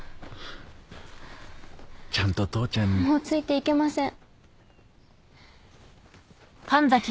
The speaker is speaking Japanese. ちゃんと父ちゃんにもうついていけません